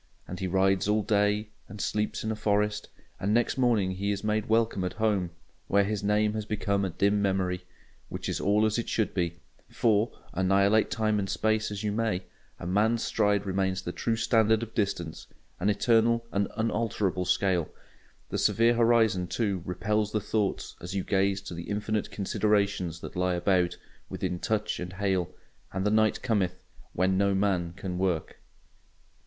And he rides all day, and sleeps in a forest; and next morning he is made welcome at home, where his name has become a dim memory. Which is all as it should be; for, annihilate time and space as you may, a man's stride remains the true standard of distance; an eternal and unalterable scale. The severe horizon, too, repels the thoughts as you gaze to the infinite considerations that lie about, within touch and hail; and the night cometh, when no man can work.